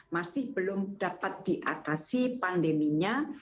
masih belum dapat diatasi pandeminya